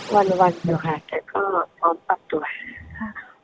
วันผมตอนนี้อยู่เมื่อพร้อมปรับตัว